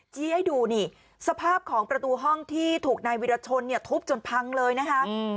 จี้ให้ดูสภาพของประตูห้องที่ถูกนายวิราชนทุบจนพังเลยนะครับ